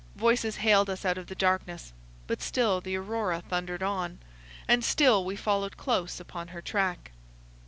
Voices hailed us out of the darkness, but still the Aurora thundered on, and still we followed close upon her track.